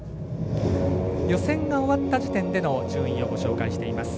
予選が終わった時点での順位をご紹介しています。